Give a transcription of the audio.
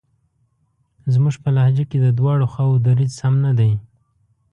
زموږ په لهجه کې د دواړو خواوو دریځ سم نه دی.